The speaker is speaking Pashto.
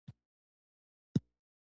آیا ژوند ښکلی دی؟